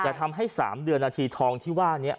ทำให้๓เดือนนาทีทองที่ว่านี้